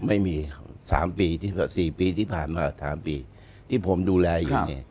ไม่มี๓ปี๔ปีที่ผ่านมา๓ปีที่ผมดูแลอยู่เนี่ย